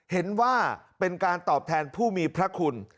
เห็นว่าเป็นการตอบแทนผู้มีพระคุณ